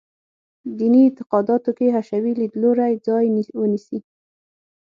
دیني اعتقاداتو کې حشوي لیدلوری ځای ونیسي.